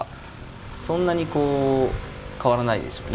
そんなにこう変わらないでしょうね